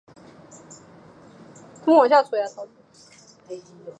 根本是给男人做的